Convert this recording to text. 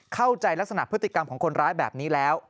เข้าใจลักษณะพฤติกรรมของคนร้ายแบบนี้แล้ว